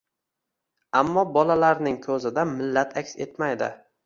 ammo bolalarning ko‘zida millat aks etmaydi